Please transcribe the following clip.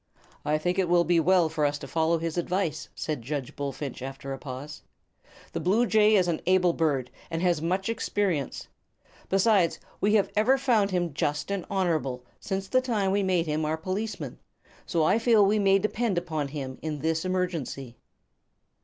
"I think it will be well for us to follow his advice," said Judge Bullfinch, after a pause. "The bluejay is an able bird, and has had much experience. Besides, we have ever found him just and honorable since the time we made him our policeman, so I feel that we may depend upon him in this emergency."